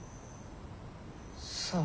そう。